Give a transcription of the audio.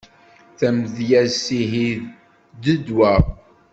Tamedyezt ihi d ddwa.